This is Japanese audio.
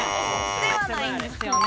ではないんですよね。